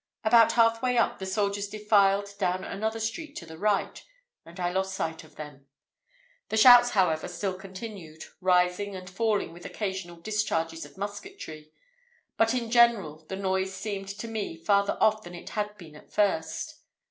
About half way up, the soldiers defiled down another street to the right, and I lost sight of them. The shouts, however, still continued, rising and falling, with occasional discharges of musketry; but in general, the noise seemed to me farther off than it had been at first.